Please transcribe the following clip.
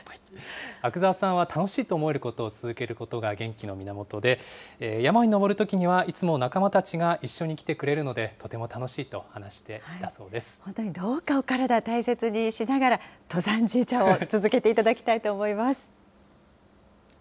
阿久澤さんは楽しいと思えることを続けることが元気の源で、山に登るときにはいつも仲間たちが一緒に来てくれるので、とても本当に、どうかお体大切にしながら、登山じいちゃんを続けていただきたいと思います。